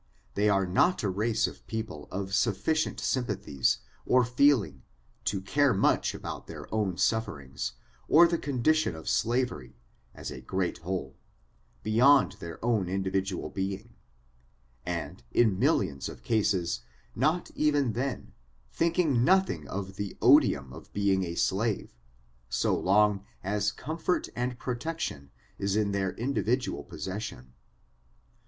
They are not a race of people of sufficient sympathies or feeling to care much about their own sufferings, or their condition of slavery, as a great whole, beyond their own individual being, and, in millions of cases, not even then — thinking nothing of the odium of being a slave, so long as comfort and protection is in their individual pessession.